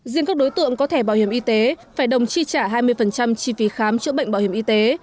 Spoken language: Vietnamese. riêng các đối tượng có thẻ bảo hiểm y tế phải đồng chi trả hai mươi chi phí khám chữa bệnh bảo hiểm y tế